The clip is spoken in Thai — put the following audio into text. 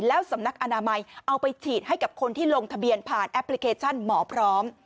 แล้วสำนักอนามัยเอาไปฉีดให้กับคนที่ลงทะเบียนผ่านแอปพลิเคชันหมอพร้อม